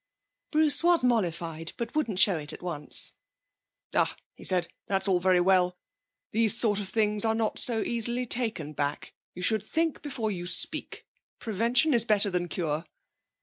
Bruce was mollified, but wouldn't show it at once. 'Ah,' he said, 'that's all very well. These sort of things are not so easily taken back. You should think before you speak. Prevention is better than cure.'